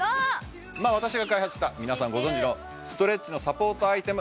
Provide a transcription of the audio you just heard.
私が開発した皆さんご存じのストレッチのサポートアイテム